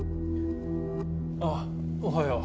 あっおはよう。